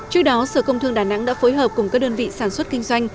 trước đó sở công thương đà nẵng đã phối hợp cùng các đơn vị sản xuất kinh doanh